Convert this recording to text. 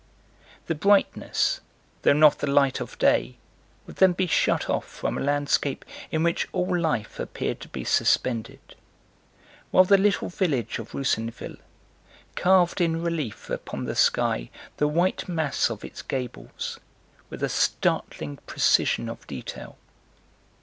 The brightness, though not the light of day, would then be shut off from a landscape in which all life appeared to be suspended, while the little village of Roussainville carved in relief upon the sky the white mass of its gables, with a startling precision of detail.